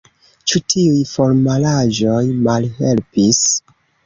Ĉu tiuj formalaĵoj malhelpis?